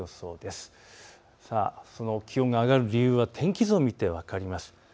その気温が上がる理由は天気図を見ると分かります。